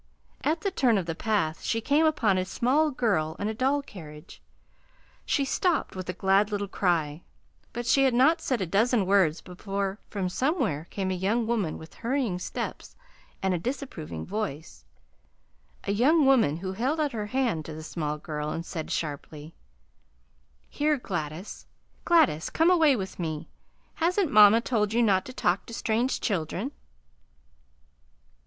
At the turn of the path she came upon a small girl and a doll carriage. She stopped with a glad little cry, but she had not said a dozen words before from somewhere came a young woman with hurrying steps and a disapproving voice; a young woman who held out her hand to the small girl, and said sharply: "Here, Gladys, Gladys, come away with me. Hasn't mama told you not to talk to strange children?"